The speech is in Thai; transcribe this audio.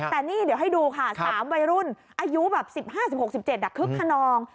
แต่นี่เดี๋ยวให้ดูค่ะ๓วัยรุ่นอายุแบบ๑๕๑๖๑๗คึกขนอง